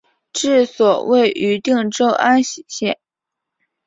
治所位于定州安喜县。